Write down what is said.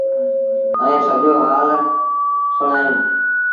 ائيٚݩ سڄو هآل سُڻآئيٚم ۔